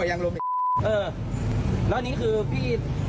ไม่แล้วเขาไม่เขียน